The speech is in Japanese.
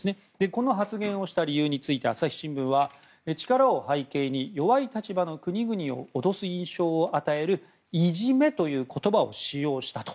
この発言をした理由について朝日新聞は、力を背景に弱い立場の国々を脅す印象を与えるいじめという言葉を使用したと。